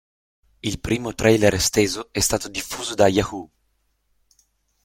Il primo trailer esteso è stato diffuso da Yahoo!